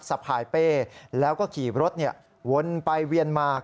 สะพายเป้แล้วก็ขี่รถวนไปเวียนมา